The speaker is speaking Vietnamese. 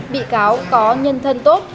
bị cáo có nhân thân tốt